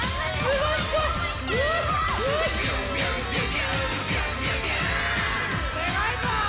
すごいぞ！